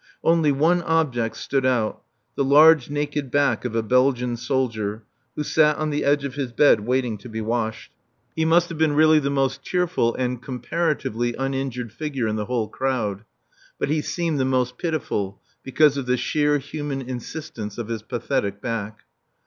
Only one object stood out the large naked back of a Belgian soldier, who sat on the edge of his bed waiting to be washed. He must have been really the most cheerful and (comparatively) uninjured figure in the whole crowd, but he seemed the most pitiful, because of the sheer human insistence of his pathetic back.